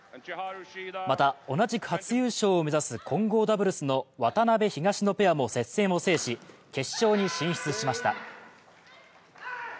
また、同じく初優勝を目指す混合ダブルスの渡辺・東野ペアも接戦を制し決勝に進出しました。